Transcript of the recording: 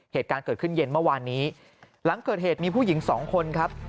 เหตุการณ์เกิดขึ้นเย็นเมื่อวานนี้หลังเกิดเหตุมีผู้หญิงสองคนครับ